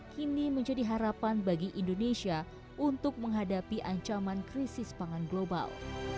kini menjadi harapan bagi indonesia untuk menghadapi ancaman krisis pangan global